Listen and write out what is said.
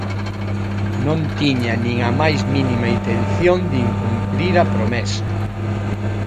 Non tiña nin a máis mínima intención de incumprir a promesa.